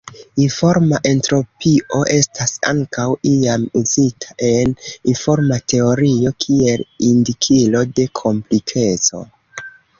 Informa entropio estas ankaŭ iam uzita en informa teorio kiel indikilo de komplikeco.